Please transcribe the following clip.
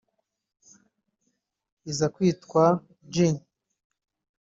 iza kwitwa G